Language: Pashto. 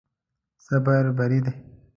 صبر بری دی.